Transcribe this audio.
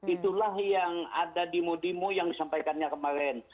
itulah yang ada di modimu yang disampaikannya kemarin